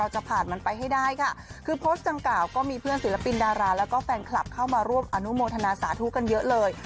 จะผ่านมันไปให้ได้ค่ะคือโพสต์ดังกล่าวก็มีเพื่อนศิลปินดาราแล้วก็แฟนคลับเข้ามาร่วมอนุโมทนาสาธุกันเยอะเลย